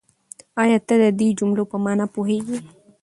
آيا ته د دې جملې په مانا پوهېږې؟